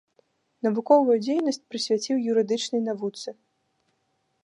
Навуковую дзейнасць прысвяціў юрыдычнай навуцы.